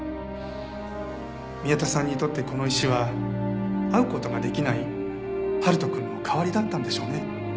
宮田さんにとってこの石は会う事ができない春人くんの代わりだったんでしょうね。